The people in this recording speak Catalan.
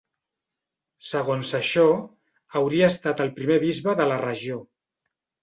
Segons això, hauria estat el primer bisbe de la regió.